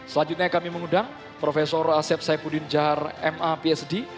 selanjutnya kami mengundang prof asep saipudin jahar ma psd